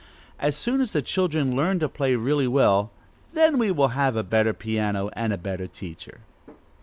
As soon as the children learn to play really well, then we will have a better piano and a better teacher."